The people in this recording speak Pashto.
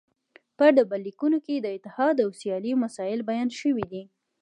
په ډبرلیکونو کې د اتحاد او سیالۍ مسایل بیان شوي دي